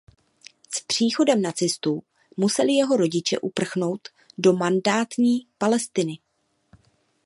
S příchodem nacistů museli jeho rodiče uprchnout do mandátní Palestiny.